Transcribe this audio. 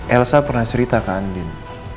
elsa pernah cerita ke andin